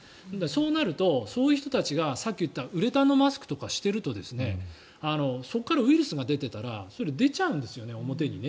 そうなると、そういう人たちがさっき言ったウレタンのマスクとかをしているとそこからウイルスが出ていたら出ちゃうんです、表に。